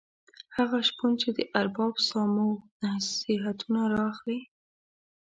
هغه شپون چې د ارباب سامو نصیحتونه را اخلي.